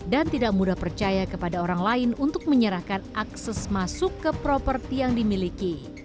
dan tidak mudah percaya kepada orang lain untuk menyerahkan akses masuk ke properti yang dimiliki